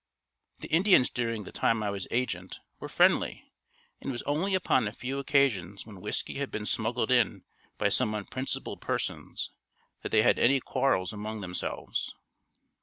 The Indians during the time I was agent were friendly and it was only upon a few occasions when whiskey had been smuggled in by some unprincipled persons, that they had any quarrels among themselves.